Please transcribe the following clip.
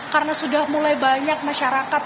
karena sudah mulai banyak masyarakat